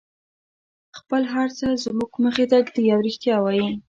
خپل هر څه زموږ مخې ته ږدي او رښتیا وایي.